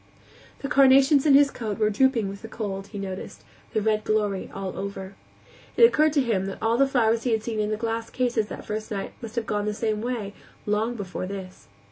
The carnations in his coat were drooping with the cold, he noticed, their red glory all over. It occurred to him that all the flowers he had seen in the glass cases that first night must have gone the same way, long before this.